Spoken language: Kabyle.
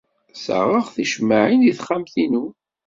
Ssaɣeɣ ticemmaɛin deg texxamt-inu.